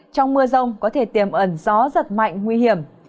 trong mưa rông có thể tiềm ẩn gió giật mạnh nguy hiểm